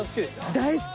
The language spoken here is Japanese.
大好き。